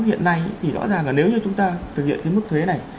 hiện nay thì rõ ràng là nếu như chúng ta thực hiện cái mức thuế này